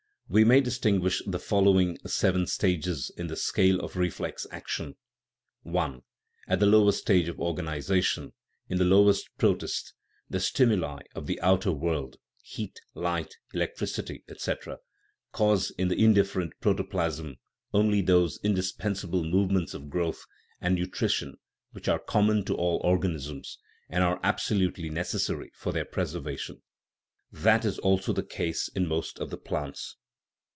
We may distinguish the following seven stages in the scale of reflex action : I. At the lowest stage of organization, in the lowest protists, the stimuli of the outer world (heat, light, electricity, etc.) cause in the indifferent protoplasm only those indispensable movements of growth and nutrition which are common to all organisms, and are absolutely necessary for their preservation. That is also the case in most of the plants.